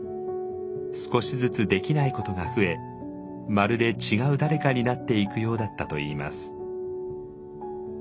少しずつできないことが増えまるで違う誰かになっていくようだったといいます。